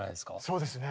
そうですね。